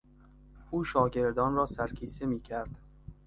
او شاگردان را سرکیسه میکرد.